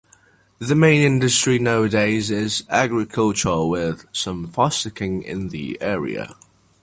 The main industry nowadays is agriculture with some fossicking in the area.